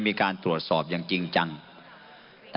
มีการตรวจสอบอย่างจริงจัง